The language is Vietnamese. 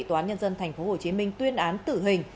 tòa án nhân dân tp hcm tuyên án tử hình